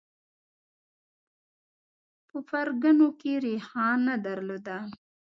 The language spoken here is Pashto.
په پرګنو کې ریښه نه درلوده